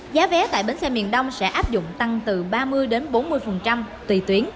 giá vé tại bến xe miền đông sẽ áp dụng tăng từ ba mươi bốn mươi tùy tuyến